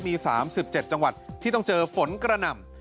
มี๓๗จังหวัดที่ต้องเจอฝนกระหน่ำ